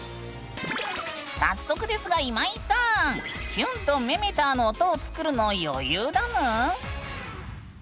早速ですが今井さん「キュン」と「メメタァ」の音を作るの余裕だぬん？